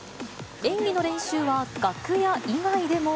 演技の練習は楽屋以外でも。